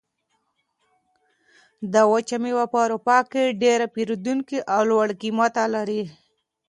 دا وچه مېوه په اروپا کې ډېر پېرودونکي او لوړ قیمت لري.